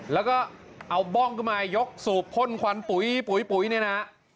แล้วก็เอาบ้องขึ้นมายกสูบพ่นควันปุ๋ยปุ๋ยเนี่ยนะ